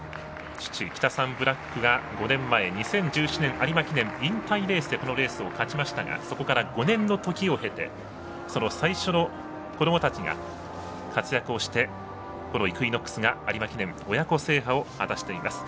父、キタサンブラックが２０１７年有馬記念引退レースでこのレースを勝ちましたがそこから５年の時を経てその最初の子供たちが活躍をしてこのイクイノックスが有馬記念親子制覇を果たしています。